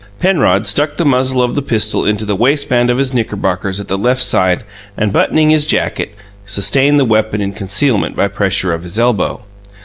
Penrod stuck the muzzle of the pistol into the waistband of his knickerbockers at the left side and, buttoning his jacket, sustained the weapon in concealment by pressure of his elbow.